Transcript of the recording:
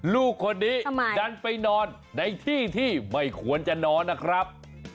ลูกคนนี้ดันไปนอนในที่ที่ไม่ควรจะนอนนะครับ